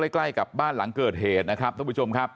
ใกล้กับบ้านหลังเกิดเหตุนะครับท่านผู้ชมครับ